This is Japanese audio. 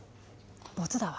ボツだわ。